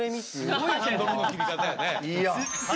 すごいハンドルの切り方やね。